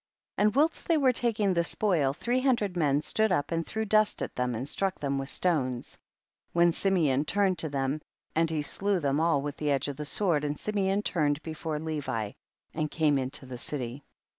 30. And whilst they were taking the spoil, three hundred men stood up and threw dust at them and struck them with stones, when Simeon turned to them and he slew them all with the edge of the sword, and Si meon turned before Levi, and came into the city.